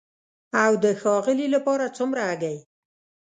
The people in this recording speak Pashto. او د ښاغلي لپاره څومره هګۍ؟